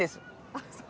あっそう。